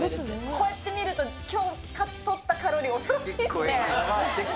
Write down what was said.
こうやって見ると、きょうとったカロリー恐ろしいですね。